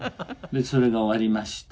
「それが終わりました。